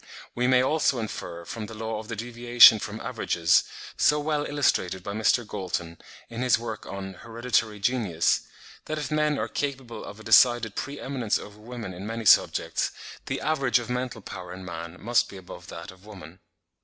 We may also infer, from the law of the deviation from averages, so well illustrated by Mr. Galton, in his work on 'Hereditary Genius,' that if men are capable of a decided pre eminence over women in many subjects, the average of mental power in man must be above that of woman.